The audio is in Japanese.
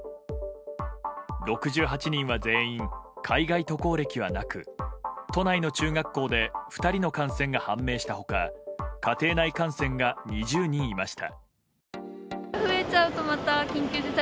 ６８人は全員、海外渡航歴はなく都内の中学校で２人の感染が判明した他家庭内感染が２０人いました。